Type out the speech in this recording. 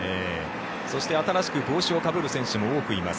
そして、新しく帽子をかぶる選手も多くいます。